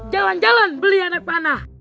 jalan jalan beli anak panah